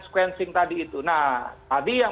sequencing tadi itu nah tadi yang